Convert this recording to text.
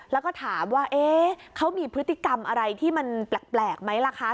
แล้วก็ถามว่าเขามีพฤติกรรมอะไรที่มันแปลกไหมล่ะคะ